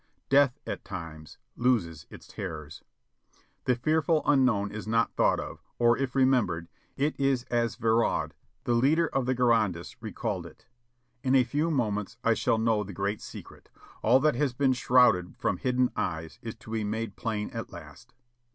Death, at times, loses its terrors. The fearful unknown is not thought of, or if remembered, it is as Virraud, the leader of the Girondists recalled it : "In a few moments I shall know the great secret. All that has been shrouded from hidden eyes is to be made plain at last."